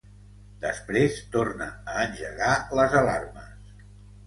Després torna a engegar les alarmes.